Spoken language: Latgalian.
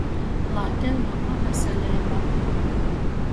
Lai tev loba veseleiba!